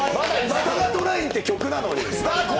「スタートライン」って曲なのに。